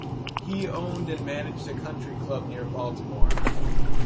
He owned and managed a country club near Baltimore.